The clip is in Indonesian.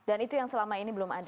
dan itu yang selama ini belum ada